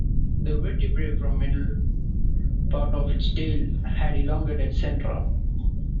The vertebrae from the middle part of its tail had elongated centra.